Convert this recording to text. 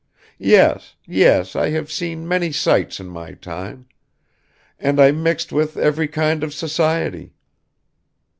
"Yes, yes, I have seen many sights in my time. And I mixed with every kind of society.